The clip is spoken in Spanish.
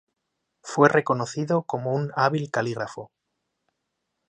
Fue reconocido como un hábil calígrafo.